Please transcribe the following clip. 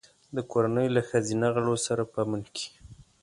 د کورنۍ له ښځینه غړو سره په امن کې.